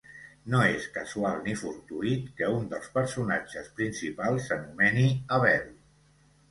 No és casual ni fortuït que un dels personatges principals s'anomeni Abel.